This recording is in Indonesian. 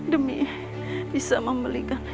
demi bisa membelikan